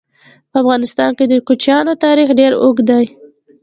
په افغانستان کې د کوچیانو تاریخ ډېر اوږد دی.